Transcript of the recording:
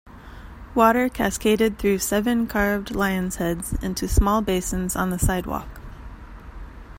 Water cascaded through seven carved lion's heads into small basins on the sidewalk.